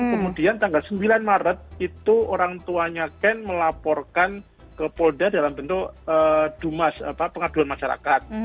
kemudian tanggal sembilan maret itu orang tuanya ken melaporkan ke polda dalam bentuk pengaduan masyarakat